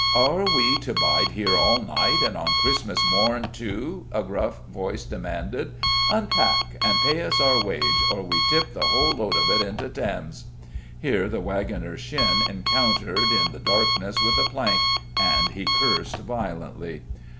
"Are we to bide here all night, and on Christmas morn, too?" a gruff voice demanded. "Unpack, and pay us our wage, or we tip the whole load of it into Thames." Here the wagoner's shin encountered in the darkness with a plank, and he cursed violently.